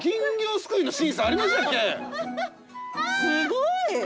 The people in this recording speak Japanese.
すごい。